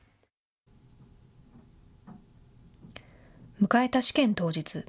迎えた試験当日。